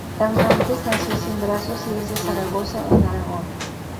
Hernández nació sin brazos, y es de Zaragoza, en Aragón.